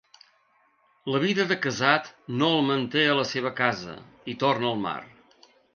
La vida de casat no el manté a la seva casa i torna al mar.